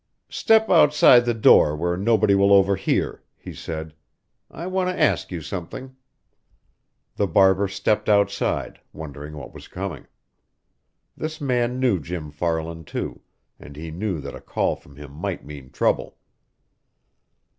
"Step outside the door where nobody will overhear," he said. "I want to ask you something." The barber stepped outside, wondering what was coming. This man knew Jim Farland, too, and he knew that a call from him might mean trouble.